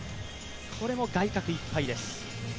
これも外角いっぱいです。